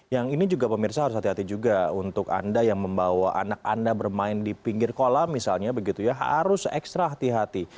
yang ini juga pemirsa harus hati hati juga untuk anda yang membawa anak anda bermain di pinggir kolam misalnya begitu ya harus ekstra hati hati